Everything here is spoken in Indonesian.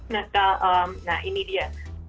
nah ini dia